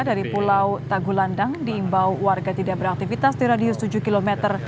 dari pulau tagulandang diimbau warga tidak beraktivitas di radius tujuh km